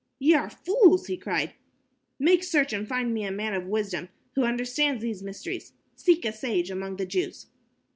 "Ye are fools," he cried. "Make search and find me a man of wisdom who understands these mysteries. Seek a sage among the Jews."